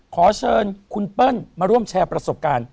ขอเชิญคุณเปิ้ลมาร่วมแชร์ประสบการณ์